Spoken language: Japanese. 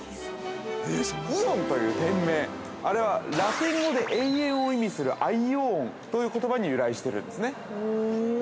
◆イオンという店名、あれはラテン語で永延を意味するアイオーンいう言葉に由来しているんですね。